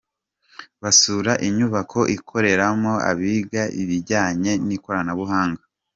Basura inyubako ikoreramo abiga ibijyanye n’ikoranabuhanga.